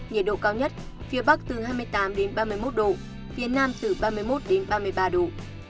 nhiệt độ cao nhất phía bắc từ hai mươi tám đến ba mươi một độ phía nam từ ba mươi một đến ba mươi ba độ